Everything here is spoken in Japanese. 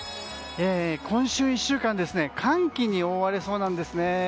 今週１週間寒気に覆われそうなんですね。